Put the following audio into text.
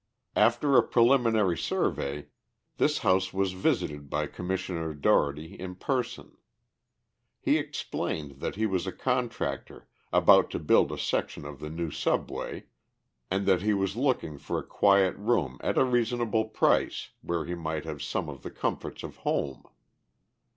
After a preliminary survey, this house was visited by Commissioner Dougherty in person. He explained that he was a contractor, about to build a section of the new subway, and that he was looking for a quiet room at a reasonable price where he might have some of the comforts of home.